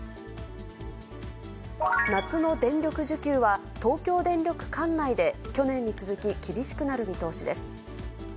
夏の電力需給は、東京電力管内で去年に続き厳しくなる見通しです。